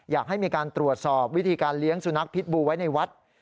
อยากให้มีการตรวจสอบวิธีการเลี้ยงสุนัขพิษบูไว้ในวัด